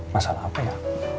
masalah apa ya